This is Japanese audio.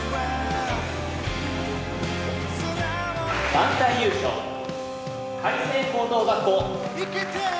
団体優勝開成高等学校。